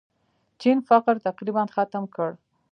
چین فقر تقریباً ختم کړ.